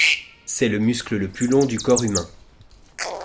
C'est le muscle le plus long du corps humain.